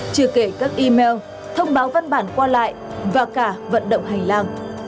chưa kể các email thông báo văn bản qua lại và cả vận động hành lang